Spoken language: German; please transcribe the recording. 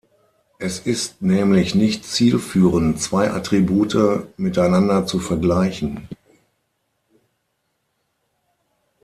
Es ist nämlich nicht zielführend zwei Attribute miteinander zu vergleichen.